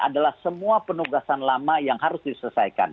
adalah semua penugasan lama yang harus diselesaikan